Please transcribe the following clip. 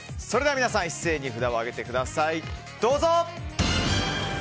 皆さん一斉に札を上げてください。